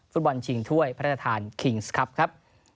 ฟุตบอลชิงถ้วยพระทศาลคิงซ์ครับ